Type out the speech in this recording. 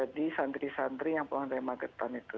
di santri santri yang pulang dari magetan itu